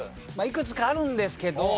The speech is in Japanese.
いくつかあるんですけど